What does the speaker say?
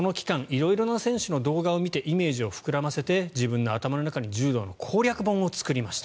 色々な選手の動画を見てイメージを膨らませて自分の頭の中に柔道の攻略本を作りました。